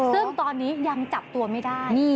ซึ่งตอนนี้ยังจับตัวไม่ได้